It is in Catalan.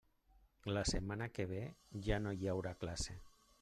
La setmana que ve ja no hi haurà classe.